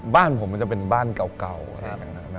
บ้านผมก็จะเป็นบ้านเก่าอย่างนั้น